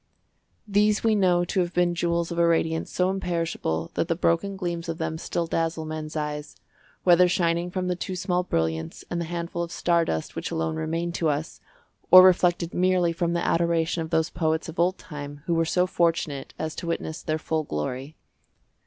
These we know to have been jewels of a radiance so imperishable that the broken gleams of them still dazzle men's eyes, whether shining from the two small brilliants and the handful of star dust which alone remain to us, or reflected merely from the adoration of those poets of old time who were so fortunate as to witness their full glory.